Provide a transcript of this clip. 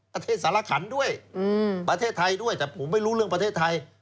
สารขันด้วยประเทศไทยด้วยแต่ผมไม่รู้เรื่องประเทศไทย